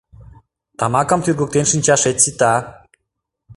Тамакым тӱргыктен шинчашет сита.